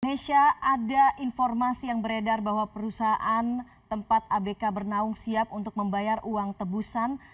nesha ada informasi yang beredar bahwa perusahaan tempat abk bernaung siap untuk membayar uang tebusan